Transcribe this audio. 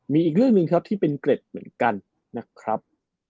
มีอีกเรื่องหนึ่งครับที่เป็นเกร็ดเหมือนกันนะครับ